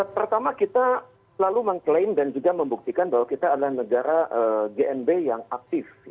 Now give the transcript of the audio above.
pertama kita selalu mengklaim dan juga membuktikan bahwa kita adalah negara gnb yang aktif